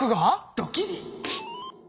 ドキリ。